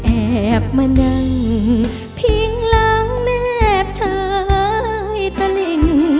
แอบมานั่งพิงหลังแนบชายตะลิง